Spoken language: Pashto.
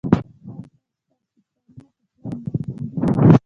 ایا ستاسو کارونه په پلان روان دي؟